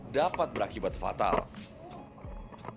dapat diperlukan para pemain skateboard